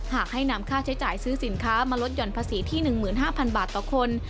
หากให้นำค่าใช้จ่ายซื้อสินค้ามาลดหย่อนภาษีที่๑๕๐๐บาทต่อคน